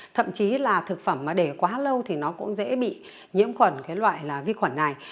thậm chí là thực phẩm mà để quá lâu thì nó cũng dễ bị nhiễm khuẩn cái loại là vi khuẩn này